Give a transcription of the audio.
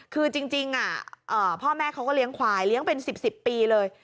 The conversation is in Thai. คือจริงพ่อแม่เขาก็เลี้ยงควายเลี้ยงเป็น๑๐ปีเลย